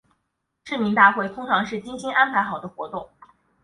市民大会通常是精心安排好的活动。